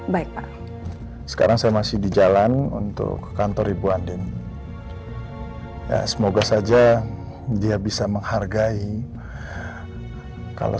maka saya memilih ibu andin untuk berdiri di samping beliau